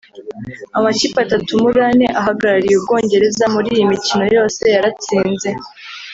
Amakipe atatu muri ane ahagarariye u Bwongereza muri iyi mikino yose yaratsinze